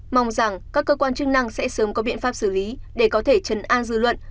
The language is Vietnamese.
mong rằng các cơ quan chức năng sẽ sớm có biện pháp xử lý để có thể chấn an dư luận